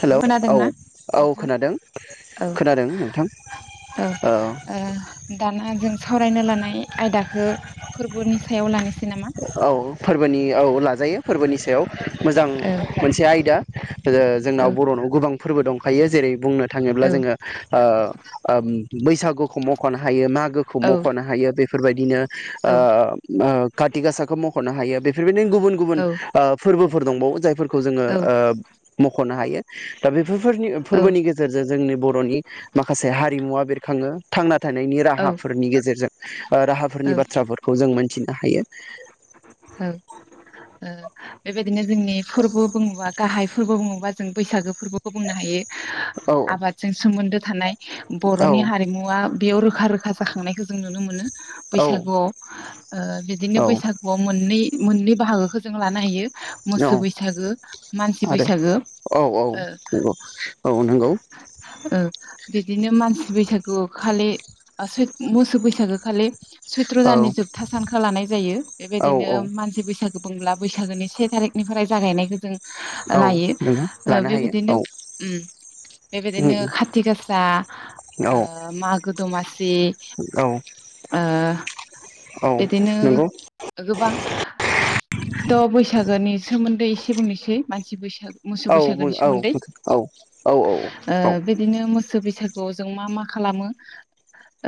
Hello औ खोनादोंना औ नोंथां खोनादों औ खोनादों नोंथां औ ओ दाना जों सावरायनो लानाय आयदाखौ फोरबोनि सायाव लानोसै नामा औ फोरबोनि औ लाजायो फोरबोनि सायाव मोजां औ मोनसे आयदा [inaudible] जोंनाव औ बर'नाव गोबां फोरबो दंखायो जेरै बुंनो थाङोब्ला औ जोङो ओ ओम बैसागुखौ मख'नो हायो मागो खौ औ मख'नो हायो बेफोरबायदिनो ओ औ ओ काथि गासाखौ मखनो हायो बे गुबुन गुबुन औ फोरबोफोर दंबावो जायफोरखौ जोङो औ मख'नो हायो दा बे बेफोरनि औ फोरबोनि गेजेरजों जोंनि बर'नि माखासे हारि मुवा बेरखाङो थांना थानायनि राहाफोरनि गेजेरजों। ओ राहाफोरनि औ बाथ्राफोरखौ जों मोनथिनो हायो। औ ओ बेबायदिनो जोंनि फोरबो बुङोबा गाहाय फोरबो बुङोबा जों बैसागो फोरबोखौ बुंनो हायो। औ आबादजों सोमोन्दो थानाय। औ बर'नि हारिमुवा। बेयाव रोखा रोखा जाखांनायखौ जों नुनो मोनो। औ बैसागुआव ओ औ बिदिनो बैसागुआव। मोनै मोननै बाहागोखौ जों लानो हायो। औ मोसो बैसागो मानसि आरो बैसागो औ ओ औ नंगौ औ नंगौ ओ बिदिनो मानसि बैसागो खालि [unintelligible] मोसौ बैसागो खालि। सैत्र' औ दाननि जोबथा सानखौ लानाय जायो। औ बेबायदिनो औ मानसि बैसागु। बुंब्ला बैसागोनि से थारिखनिफ्राय जागायनायखौ जों औ लायो नोङो ओ लानो हायो औ बेबायदिनो उम बेबायदिनो खाथि गासा औ ओ मागो गो दमास औ [unintelligible] ओ औ बिदिनो नंगौ गोबां। थ' बैसागोनि सोमोन्दै एसे बुंनोसै मानसि बैसागो। मोसौ औ बैसागोनि औ औ सोमोन्दै औ औ औ। थ जों मा मा खालामो।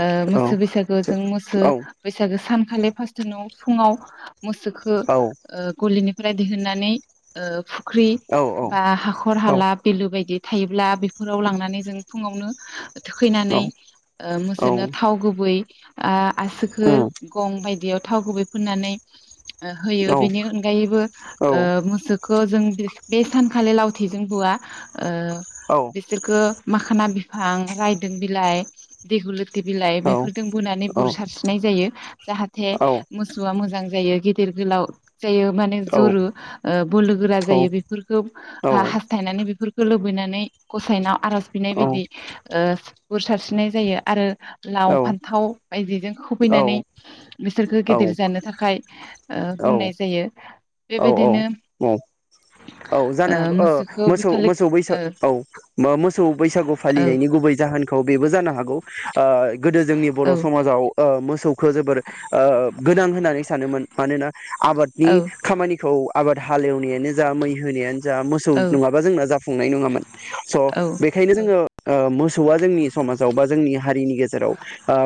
ओ औ मोसो बैसागु जों मोसो औ उम औ बै सानखालि फार्ट न' फुङाव मोसौखौ औ ओ गलिनि फोराय दिहुननानै ओ ख्रि बा हाखर हाला बेलु बायदि। थायोब्ला बे फोराव लांनानै जों फुङावनो थुखैनानै ओ मोसौनो थाव गुबै। आ आस गं बायदियाव। थाव गुवै फुननानै होयो बेनि अनगायैबो ओ औ मुसु खौ जों बेस बेसानखालि लावथिजों बुवा ओ बिसोरखौ माखाना बिफां रायदों बिलाइ दैहुलि दि बिलाइ बेफोरजों बुनानै बुर सारस्रिनाय जायो जाहाथे मोसौआ मोजां जायो गिदिर गोलाव जायो माने जुरु बोलो गोरा जायो बेफोरखौ हास्थायनानै बेफोरखौ लुबैनानै गसायनाव आर'ज बिनाय बायदि ओ बुर सारस्रिनाय जायो आरो लाव फान्थाव बायदिजों खुबैनानै बिसोरखौ गेदेर जानो थाखाय ओ बुंनाय जायो औ बेबायदिनो औ औ ओ जानो हागौ अ मोसौखौ मोसौ बिखालि मोसौ बैसाग ओ औ मोसौ बैसागु औ फालिनायनि गुबै जाहोनखौ बेबो जानो हागौ आ गोदो जोंनि बर' औ समाजाव ओ मोसौखौ जोबोर ओ गोनां होननानै सानोमोन मानोना आबादनि औ खामानिखौ आबाद हालेवनायानो जा मै होनायानो जा मोसौ नङाबा जोंना जाफुंनाय नङामोन औ स' बेखायनो जोङो ओ मोसौआ जोंनि समाजाव बा जोंनि हारिनि गेजेराव ओ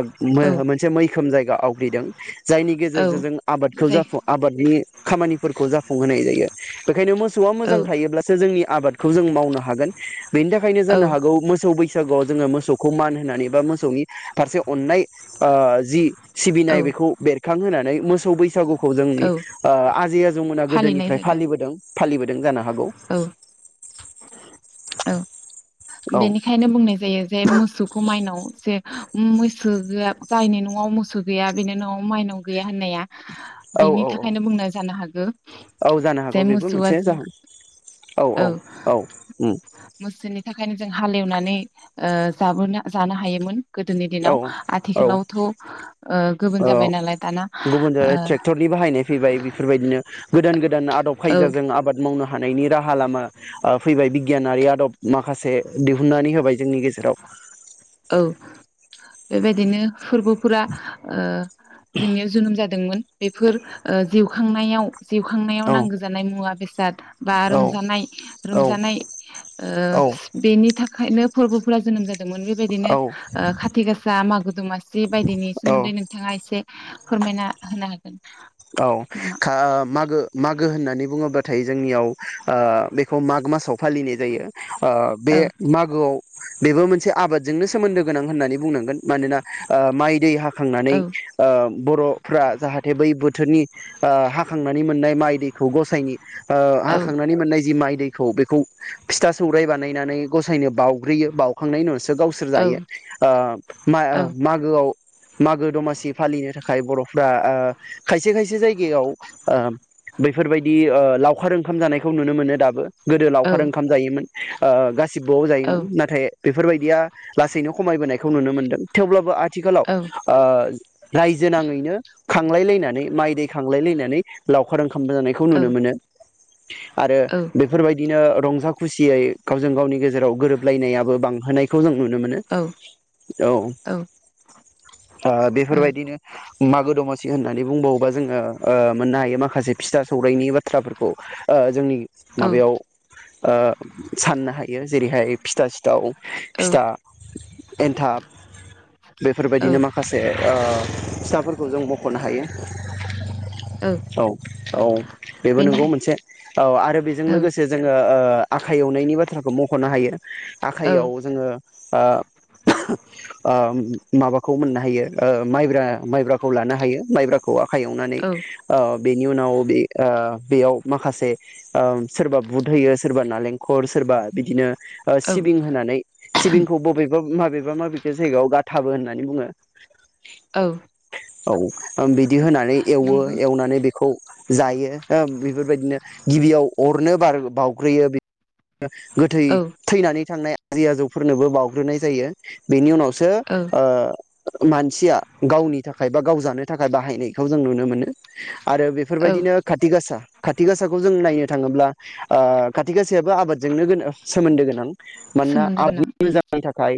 औ मोनसे मै खोम जायगा आवग्रिदों जायनि औ गेजेरजों जों आबादखौ जाय जाफुं आबादनि खामानिफोरखौ जाफुंहोनाय जायो बेखायनो मोसौ मोसौआ औ मोजां थायोब्लासो जोंनि आबादखौ जों मावनो हागोन बेनि थाखायनो औ जानो हागौ मोसौ बैसागुआव जोङो मोसौखौ मान होनानै बा मोसौनि फारसे अननाय ओ जि औ सिबिनाय बेखौ बेरखांहोनानै मो मोसौ बैसागु खौ जोंनि औ आ आजै आजौ मोना फालिनाय गोदोनिफ्राय जादों फालिबोदों। फालिबोदों जानो हागौ। औ औ औ बेनिखायनो बुंनाय जायो जे मोसौखौ माइनाव जे मैसो गैया जायनि न'आव मोसौ गैया बेनि न'आव माइनाव गैया होननाया औ बेनि औ औ थाखायनो बुंनाय जानो हागौ औ जानो हागौ जे बेबो मोसौआ मोनसे जों जाहोन औ औ औ उम मोसौनि जों हालेवनानै जाबोनो जानो हायोमोन। गोदोनि औ दिनाव औ आथिखालावथ' ओ गुबुन औ जाबाय नालाय दाना गुबुन जाबाय ओ ट्रेक्टरनि बाहायनाय फैबाय बेफोर बायदिनो गोदान गोदान आदब औ खायदाजों आबाद मावनो हानायनि राहा लामा ओ फैबाय बिगियानारि आदब माखासे दिहुननानै होबाय जोंनि गेजेराव। औ बेबायदिनो। फोरबोफोरा ओ जोंनियाव जोनोम जादोंमोन। बेफोर ओ जिउ खांनायाव जिउ खांनायाव औ नांगौ जानाय मुवा बेसाद बा औ रंजानाय औ रंजानाय ओ औ बेनि थाखा बखायनो फोरबोफोरा जोनोम जादोंमोन बे बेबायदिनो औ ओ खाथि गासा, मागो दमासि बायदिनि औ सोमोन्दै नोंथाङा एसे फोरमायना होनो हागोन औ नामा खा मागो-मागो होननानै बुङो नाथाय जोंनियाव। ओ बेखौ माग मासाव फालिनाय जायो ओ बे औ मागोआव बेबो मोनसे आबादजोंनो सोमोन्दो गोनां होननानै बुंनांगोन मानोना माइ दै हा खांनानै औ ओ बर'फोरा जाहाथे बै बि ओ हा खांनानै मोननाय माइ दैखौ गसायनि ओ औ हाखांनानै मोननाय जि माइ दै खौ बेखौ फिथा सौराइ बानायनानै गसायनो बावग्रोयो बावखांनायनि उनावसो गावसोर जायो मा-मागोआव मागो दमासि फालिनो थाखाय बर'फ्रा ओ खायसे खायसे से जायगायाव ओ बैफोर बायदि लावखार ओंखाम जानायखौ नुनो मोनो दाबो ओ गोदो लावखार ओंखाम जायोमोन। ओ गासि सिबोआवनो जायोमोन नाथाय बेफोर बायदिया लासैनो खमायबोनायखौ नुनो मोनदों थेवब्लाबो आथिखालाव ओ रायजो नाङैनो खांलायलायना नै माइ दै खांलाय लायनानै लावखार ओंखा खामबो जानायखौ नुनो मोनो [inaudible] आरो बेफोरबायदिनो रंजा खुसियै गावजों गावनि गेजेराव गोरोब लायनायाबो बांहोनायखौ जों नुनो मोनो औ ओ बेफोरबायदिनो मागो दमासि होनना नै बुंबावोबा जोङो ओ मोननो हायो माखासे फिथा सौराइनि बाथ्राफोरखौ ओ जोंनि माबायाव ओ साननो हायो जेरैहाय फिथा सिथाव फिथा एनथाब बेफोरबायदिनो माखासे ओ फिथाफोरखौ जों मख'नो हायो। औ औ बेबो नंगौ मोनसे। औ आरो बेजों लोगोसे जोङो ओ आखाइ एवनायनि बाथ्राखौ मख'नो हायो आखाइआव जोङो ओ ओ माबाखौ मोननो हायो ओ माइब्रा माइब्राखौ लानो हायो माइब्रा खौ आखाइ एवनानै ओ बेनि उनाव बे ओ बेयाव माखासे ओ सोरबा बुद होयो सोरबा नालेंखर सोरबा बिदिनो ओ सिबिं होनानै सिबिंखौ बबेबा माबेबा माबेबा जायगायाव गाथाबो होननानै बुङो औ ओम बिद दि होनानै एवो नंगौ एवनानै बेखौ जायो ओ बेफोरबायदिनो गिबियाव अरनो बार बावउग्रोयो गोथै औ थैनानै थांनाय आजै आजौफोरनोबो बाउग्रोनाय जायो बेनि उनावसो औ ओ मानसिया गावनि थाखाय बा गाव जानो थाखाय बाह हायनायखौ जों नुनो मोनो आरो औ बेफोरबायदिनो खाथि गासा खाथि गासाखौ जों नायनो थाङोब्ला ओ खाथि गाासायाबो आबादजोंनो गोनो सोमोन्दो गोनां मानोना सोमोन्दो गोनां आबादनि औ मोजांनि थाखाय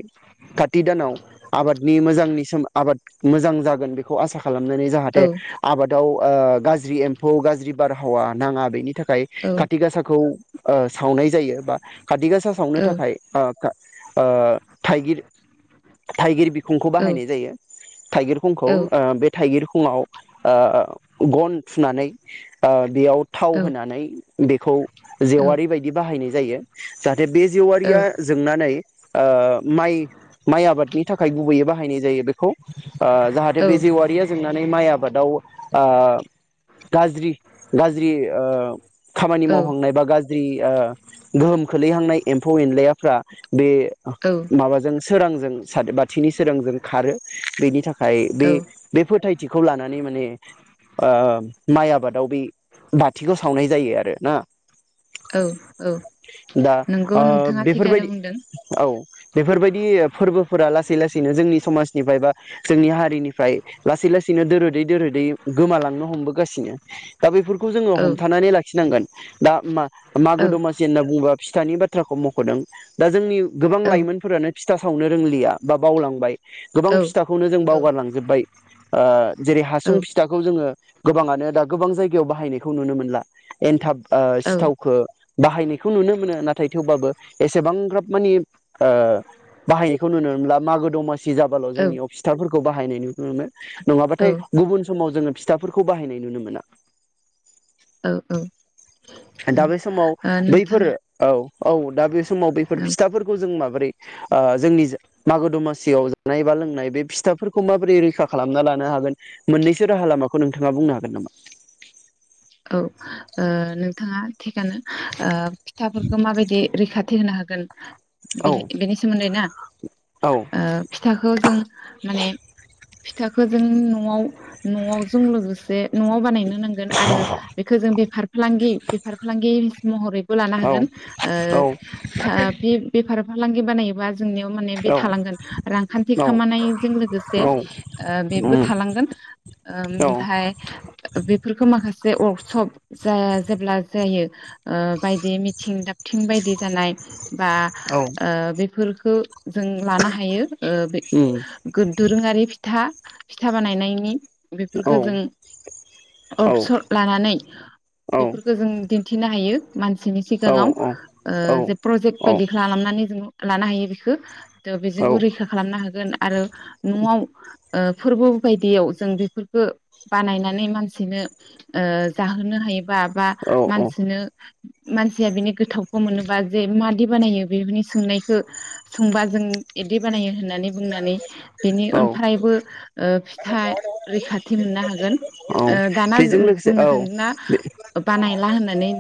खाथि दानाव आबादनि मोजांनि सोम आबाद मोजां जागोन बेखौ आसा खालामनानै औ जाहाथे आबादाव ओ गाज्रि एम्फौ गाज्रि बारहावा नाङा बेनि थाखाय औ खाथि गासाखौ ओ सावनाय जायो बा खाथि गासा सावनो औ थाखाय ओ खा ओ थाइगिर थाइगिर बिखंखौ औ बाहायनाय जायो थाइगिर खंखौ औ ओ बे थाइगिर खुङाव ओ गन थुनानै ओ बेयाव थाव होनानै बेखौ जेवारि बायदि बाहायनाय जायो जाहाथे बे जेवारिया जोंनानै ओ माइ माइ आबादनि थाखाय गुबैयै बाहायनाय जायो बेखौ। ओ जाहाथे बे जेवारिया जोंनानै माइ आबादाव ओ गाज्रि गाज्रि ओ खामानि मावहांनाय बा गाज्रि ओ गोहोम खोलैहांनाय एम्फौ एनलायाफ्रा बे माबाजों सोरांजों साथ बाथिनि सोरांजों खारो बेनि थाखाय औ बे बे फोथायथिखौ लानानै माने ओ माइ आबादाव बे बाथिखौ सावनाय जायो आरो ना। औ दा नंगौ ओ नोंथाङा थिगानो बेफोरबायदि बुंदों औ। बेफोरबायदि फोरबोफोरा लासै लासैनो जोंनि समाजनिफ्राय बा जोंनि हारिनिफ्राय लासै लासैनो दोरोदै दोरोदै गोमालांनो हमबोगासिनो दा बेफोरखौ जोङो औ हमथानानै लाखिनांगोन दा औ मा-मागो दमासि होनना बुंङोबा फिथानि बाथ्राखौ मख'दों दा जोंनि गोबां औ लाइमोनफोरानो फिथा सावनो रोंलिया बा बावलांबाय गोबां औ फिथाखौनो जों बावगारलांजोब्बाय। ओ जेरै हासुं फिथाखौ जोङो गोबाङानो दा गोबां जायगायाव बाहायनायखौ नुनो मोनला एन्थाब ओ सिथावखौ बाहायनायखौ नुनो मोनो नाथाय थेवबाबो एसेबां ग्राब मानि ओ बाहायनायखौ नुनो मोनला मागो दमासि जाबाल' जोंनियाव फिथारफोरखौ बाहायनाय नुनो मोनो। नङाबाथाय गुबुन समाव जोङो फिथाफोरखौ बाहायनाय नुनो मोना। औ दा बे समाव औ बैफोर नोंथां औ औ दा बे समाव बैफोर फिथाफोरखौ जों माबोरै ओ जोंनि जा मागो दमासियाव जानाय बा लोंनाय बे फिथाफोरखौ माबोरै रैखा खालामना लानो हागोन मोननैसो राहा लामाखौ नोंथाङा बुंनो हागोन नामा? आ थिगानो ओ फिथाफोरखौ माबायदि रैखा थि होनो हागोन औ बेनि बेनि सोमोन्दै ना औ ओ फिथाखौ जों माने फिथाखो जों न'आव न'आव जों लोगोसे न'आव बानायनो नोंगोन आरो बेखो जों बेफार फालांगि फार फालांगि महरैबो लानो औ हागोन औ ओ था बे बेफार फालांगि बानाय जोंनियाव माने बे थालांगोन रांखान्थि औ औ खामानायजों लोगोसे औ ओ बेबो उम थालांगोन औ ओमफाय बेफोरखौ माखासे जे वर्कसप जाया जेब्ला जायो ओ बायदि मिथिं दाबथिं बायदि जानाय बा औ ओ बेफोर ओ जों लानो हा हायो ओ बे उम गो दोरोङारि फिथा फिथा बानायनायनि औ बेफोरखौ जों अक्सर लानानै औ बेफोरखौ जों दिन्थिनो हायो। मानसिनि औ सिगाङाव औ ओ औ जे प्रजेक्ट औ बायदि खालामनानै जोंङ लानो हायो बेखो। औ बेजोंबो रैखा खालामनो हागोन। आरो न'वाव ओ फोरबो बायदियाव जों बेफोरखो बानायनानै मानसिनो ओ जाहोनो हायोबा बा औ औ मानसिनो मानसिया बेनि गोथावखौ मोनोबा जे मादि बानायो बेफोरनि सोंनायखौ सोंबा जों इदि बानायो होननानै बुंनानै बेनि औ ओनफ्रायबो ओ फिथा रैखाथि मोननो हागोन। औ ओ दाना बेजों जों लोगोसे बुंनो औ सानदों ना बे बानाय ला होननानै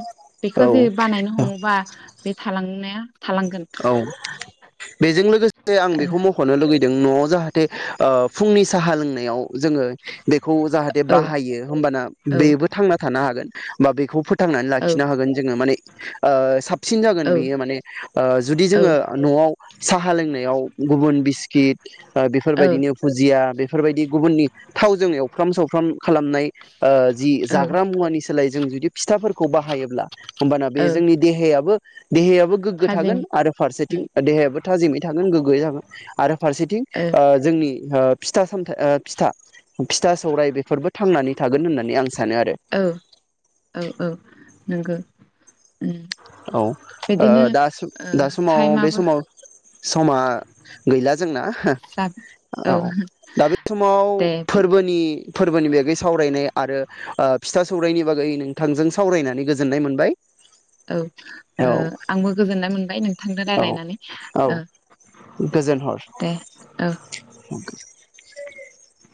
बेखौ औ जे बानायनो हमोबा बे थालांनाया थालांगोन औ बेजों लोगोसे आं बेखौ मख'नो लुगै जों न'वाव जाहाथे ओ फुंनि साहा लोंनायाव जोङो बेखौ जाहाथे औ बाहायो होमबाना औ बेबो थांना थानो हागोन। बा बेखौ फो थांनानै लाखिनो हागोन जोङो माने ओ सा साबसिन जागोन औ बेयो माने ओ जुदि औ जोङो न'वाव साहा लोंनायाव गुबुन बिस्किट ओ औ बेफोरबायदिनो भुजिया बेफोरबायदि गुबुननि थावजों एवफ्राम सावफ्राम खालामनाय ओ जि औ जाग्रा मुवानि सोलाय जों जुदि फिथाफोरखौ बाहायोब्ला होमबाना औ बे जोंनि देहायाबो देहायाबो गो थाजिम थागोन आरो फारसेथिं ओ देहायाबो थाजिमै थागोन गोग्गयै आरो फारसेथिं ओ जोंनि ओ फिथा सामथा ओ फिथा फिथा सौराय बेफोरबो थांनानै थागोन होननानै आं सानो आरो नोंगो। औ ओ दा सिम ओ दा समाव बे टाइमाबो समाव समा गैला। जोंना जाब औ दा बे समाव दे फोरबोनि फोरबोनि बागै सावरायनाय आरो ओ फिथा सौरायनि बागै नोंथांजों सावरायनानै गोजोननाय मोनबाय। औ ओ औ आंबो गोजोननाय मोनबाय नों औ औ गोजोन हर। ओ। [unintelligible]